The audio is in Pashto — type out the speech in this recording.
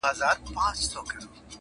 ويل زموږ د سر امان دي وې سلطانه!.